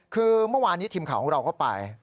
คือเมื่อวานนี้ทีมข่าวของเราก็ไป